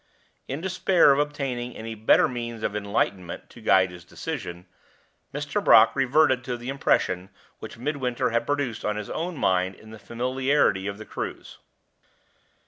In despair of obtaining any better means of enlightenment to guide his decision, Mr. Brock reverted to the impression which Midwinter had produced on his own mind in the familiarity of the cruise.